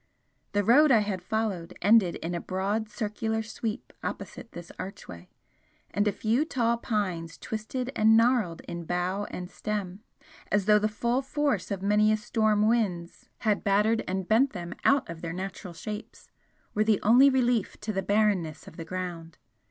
The road I had followed ended in a broad circular sweep opposite this archway, and a few tall pines twisted and gnarled in bough and stem, as though the full force of many storm winds had battered and bent them out of their natural shapes, were the only relief to the barrenness of the ground.